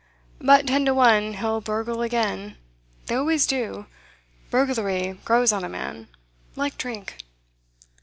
But ten to one he'll burgle again; they always do; burglary grows on a man, like drink.